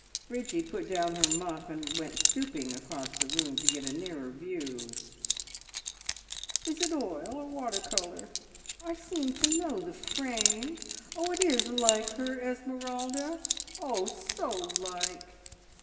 Bridgie put down her muff, and went stooping across the room to get a nearer view. "Is it oil or water colour? I seem to know the frame. Oh, it is like her, Esmeralda oh, so like!